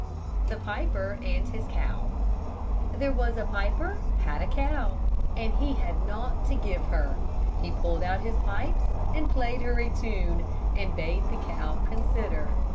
THE PIPER AND HIS COW There was a piper had a cow, And he had naught to give her; He pulled out his pipes and played her a tune, And bade the cow consider.